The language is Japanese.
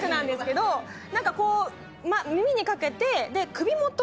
何かこう耳にかけて。